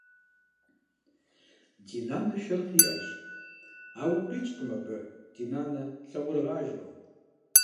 Ди нанэ шэрхъ иӏэщ, ауэ къикӏкъым абы, ди нанэ лъакъуэрыгъажэу.